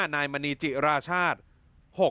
๕นายมณีจิราชาช